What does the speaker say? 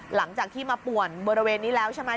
หลังจากที่มาป่วนบริเวณนี้แล้วใช่ไหม